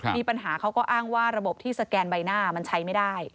มีปัญหาเขาก็อ้างว่าระบบที่สแกนใบหน้ามันใช้ไม่ได้